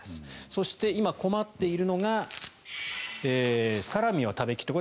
そして今、困っているのがサラミは食べ切った。